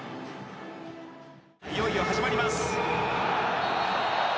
いよいよ始まります。